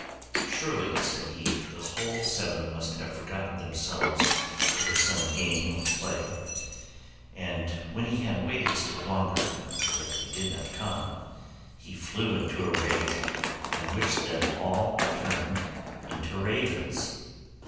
'Surely,' said he, 'the whole seven must have forgotten themselves over some game of play'; and when he had waited still longer and they yet did not come, he flew into a rage and wished them all turned into ravens.